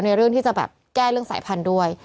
เรื่องที่จะแบบแก้เรื่องสายพันธุ์ด้วย